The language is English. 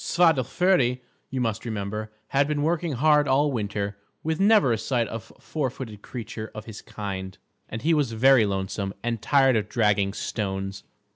Svadilföri, you must remember, had been working hard all winter, with never a sight of four footed creature of his kind, and he was very lonesome and tired of dragging stones.